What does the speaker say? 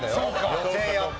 予選やって。